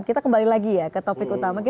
kita kembali lagi ya ke topik utama